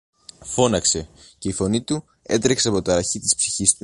φώναξε, και η φωνή του έτρεμε από την ταραχή της ψυχής του.